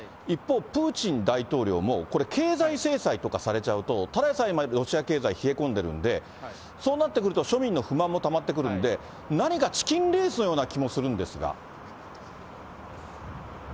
一方、プーチン大統領もこれ、経済制裁とかされちゃうと、ただでさえ、今ロシア経済冷え込んでるんで、そうなってくると、庶民の不満もたまってくるので、何かチキンレースのような気もするんですが。